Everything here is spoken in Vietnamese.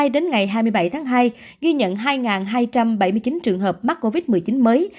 đến ngày hai mươi bảy tháng hai ghi nhận hai hai trăm bảy mươi chín trường hợp mắc covid một mươi chín mới